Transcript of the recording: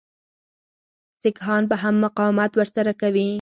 سیکهان به هم مقاومت ورسره کوي.